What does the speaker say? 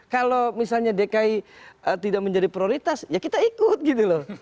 kalau misalnya dki tidak menjadi prioritas ya kita ikut gitu loh